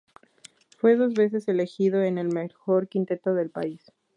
Fue dos veces elegido en el mejor quinteto del país.